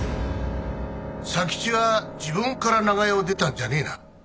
佐吉は自分から長屋を出たんじゃねえな。